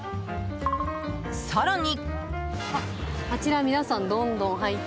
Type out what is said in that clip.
更に。